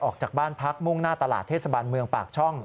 ออกจากบ้านพักมุ่งหน้าตลาดเทศบาลเมืองปากช่อง